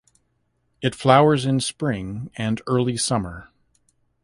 It flowers in spring and early summer.